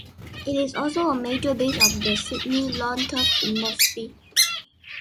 It is also a major base of the Sydney lawn turf industry.